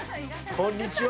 こんにちは。